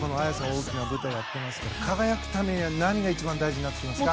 大きな舞台をやっていますが輝くためには何が一番大事になってきますか。